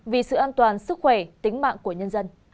vì sự an toàn sức khỏe tính mạng của nhân dân